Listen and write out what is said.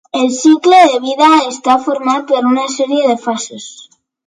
El cicle de vida està format per una sèrie de fases.